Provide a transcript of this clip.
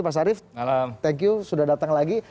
mas arief thank you sudah datang lagi